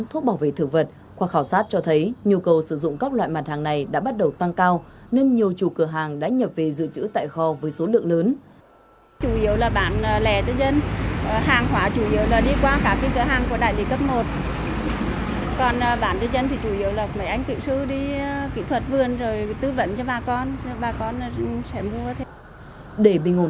thưa quý vị theo ghi nhận của chúng tôi tại thời điểm này